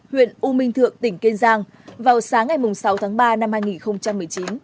huyện u minh thượng tỉnh kiên giang vào sáng ngày sáu tháng ba năm hai nghìn một mươi chín